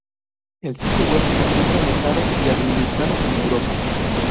El sitio web se encuentra alojado y administrado en Europa.